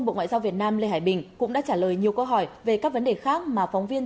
bộ ngoại giao việt nam lê hải bình cũng đã trả lời nhiều câu hỏi về các vấn đề khác mà phóng viên